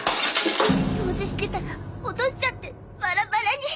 掃除してたら落としちゃってバラバラに。